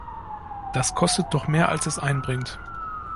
Das kostet doch mehr, als es einbringt.